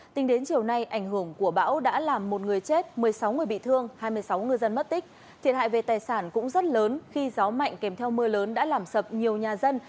thiệt hại về tài sản cũng rất lớn khi gió mạnh kèm theo mưa lớn đã làm sập nhiều nhà dân